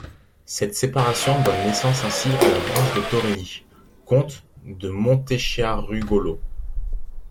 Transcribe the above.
Cette séparation donne naissance ainsi à la branche de Torelli, comte de Montechiarugolo.